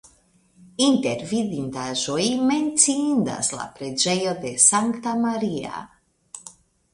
Inter vidindaĵoj menciindas la preĝejo de Sankta Maria.